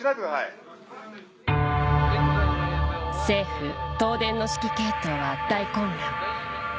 政府東電の指揮系統は大混乱